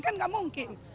kan gak mungkin